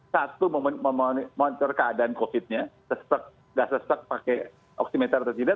satu memonitor keadaan covid nya tidak sesek pakai oksimeter atau tidak